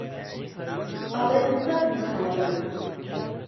ئەڵێم سەد مخابن